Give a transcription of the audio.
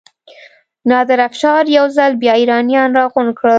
نادر افشار یو ځل بیا ایرانیان راغونډ کړل.